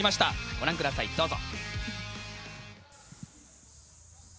ご覧ください、どうぞ。